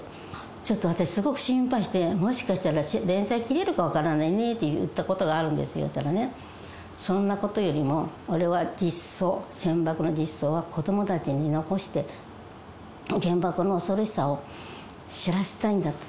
ちょっと私、すごく心配して、もしかしたら連載切れるか分からないねって言ったことがあるんですけどね、そうしたらね、そんなことよりも、俺は実相、原爆の実相を子どもたちに残して、原爆の恐ろしさを知らしたいんだと。